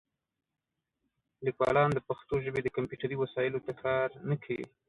لیکوالان د پښتو ژبې د کمپیوټري وسایلو ته کار نه کوي.